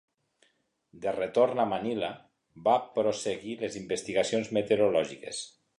De retorn a Manila, va prosseguir les investigacions meteorològiques.